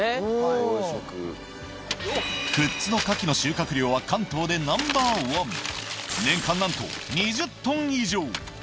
養殖富津の牡蠣の収穫量は関東でナンバーワン年間なんと２０トン以上！